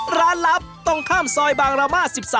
ลับตรงข้ามซอยบางรามา๑๓